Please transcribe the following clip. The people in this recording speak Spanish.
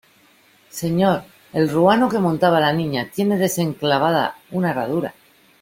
señor, el ruano que montaba la Niña tiene desenclavada una herradura...